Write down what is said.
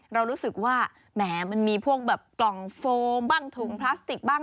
เรารู้สึกว่าแหมมันมีพวกแบบกล่องโฟมบ้างถุงพลาสติกบ้าง